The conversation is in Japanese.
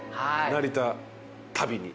成田旅に。